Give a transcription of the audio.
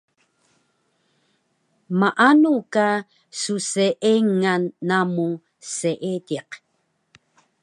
Maanu ka sseengan namu seediq